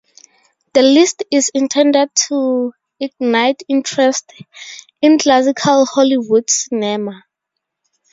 The list is intended to ignite interest in classical Hollywood cinema.